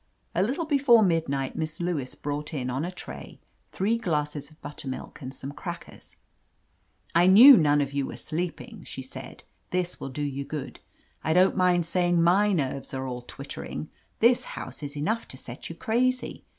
A little before midnight Miss Lewis brought in on a tray three glasses of buttermilk and some crackers. "I knew none of you were sleeping," she said. "This will do you good. I don't mind saying my nerves are all twittering. This house is enough to set you crazy.